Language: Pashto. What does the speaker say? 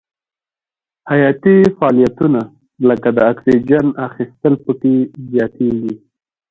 حیاتي فعالیتونه لکه د اکسیجن اخیستل پکې زیاتیږي.